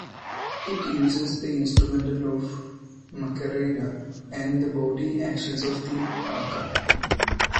It uses the instrumental of "makarena" and the body actions of the haka.